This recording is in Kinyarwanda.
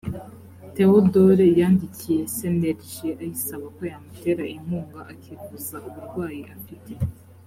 theodore yandikiye cnlg ayisaba ko yamutera inkunga akivuza uburwayi afite